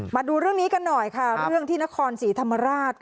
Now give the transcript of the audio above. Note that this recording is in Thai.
มาดูเรื่องนี้กันหน่อยค่ะเรื่องที่นครศรีธรรมราช